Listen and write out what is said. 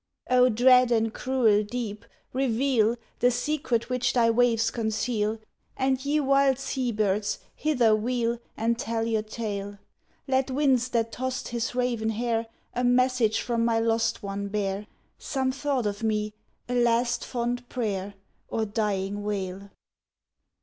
"O dread and cruel deep, reveal The secret which thy waves conceal, And, ye wild sea birds, hither wheel And tell your tale. Let winds that tossed his raven hair A message from my lost one bear, Some thought of me, a last fond prayer Or dying wail!